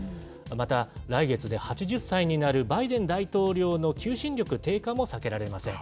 また、来月で８０歳になるバイデン大統領の求心力低下も避けられません。